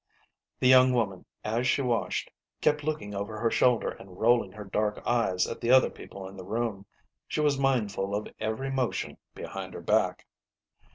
The young woman, as she washed, kept looking over her shoulder and rolling her dark eyes at the other people in the room. She was mindful of every mo tion behind her back.